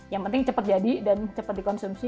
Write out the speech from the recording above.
yang penting cepet jadi dan cepet dikonsumsi